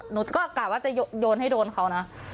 หนูก็กะว่าจะโยนให้โดนเขานะ